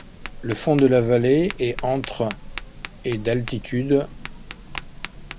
Le fond de la vallée est entre et d'altitude.